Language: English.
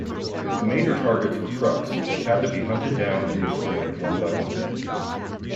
The major targets were trucks which had to be hunted down and destroyed one-by-one.